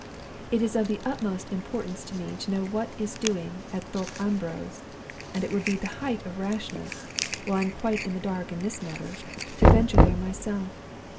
"It is of the utmost importance to me to know what is doing at Thorpe Ambrose; and it would be the height of rashness, while I am quite in the dark in this matter, to venture there myself.